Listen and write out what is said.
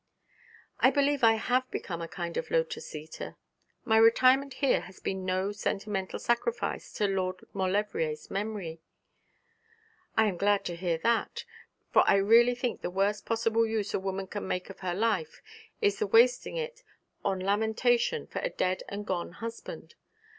'I believe I have become a kind of lotus eater. My retirement here has been no sentimental sacrifice to Lord Maulevrier's memory.' 'I am glad to hear that; for I really think the worst possible use a woman can make of her life is in wasting it on lamentation for a dead and gone husband.